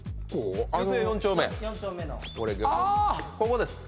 ここです